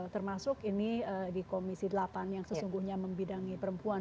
termasuk ini di komisi delapan yang sesungguhnya membidangi perempuan